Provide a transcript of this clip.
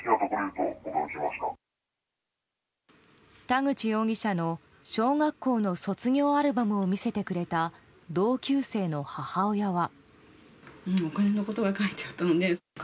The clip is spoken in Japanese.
田口容疑者の、小学校の卒業アルバムを見せてくれた同級生の母親は。